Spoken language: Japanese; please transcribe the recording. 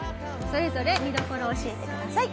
それぞれ見どころを教えてください。